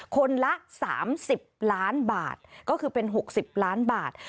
คนละ๓๐ล้านบาทก็คือเป็น๖๐ล้านบาท